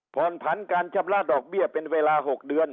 ผ่อนผันการชำระดอกเบี้ยเป็นเวลา๖เดือน